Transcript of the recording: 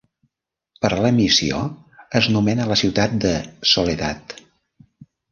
Per a la missió es nomena la ciutat de Soledad.